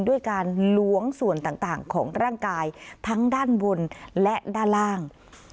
ด้วยการล้วงส่วนต่างของร่างกายทั้งด้านบนและด้านล่าง